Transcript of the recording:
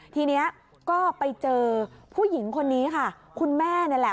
ทีนี้ก็ไปเจอผู้หญิงคนนี้ค่ะคุณแม่นี่แหละ